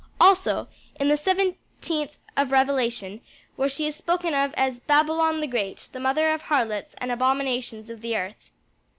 Also, in the seventeenth of Revelation, where she is spoken of as 'Babylon the great, the mother of harlots and abominations of the earth.'"